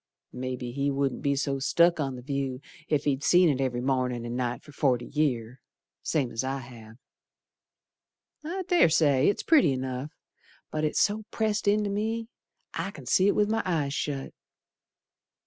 Mebbe he wouldn't be so stuck on the view Ef he'd seed it every mornin' and night for forty year Same's as I have. I dessay it's pretty enough, But it's so pressed into me I c'n see't with my eyes shut.